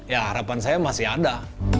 ya harapan saya masih ada